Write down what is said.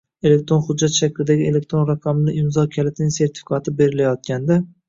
Elektron hujjat shaklidagi elektron raqamli imzo kalitining sertifikati berilayotganda